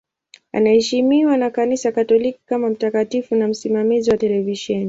Anaheshimiwa na Kanisa Katoliki kama mtakatifu na msimamizi wa televisheni.